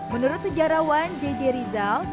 menurut sejarawan jj rizal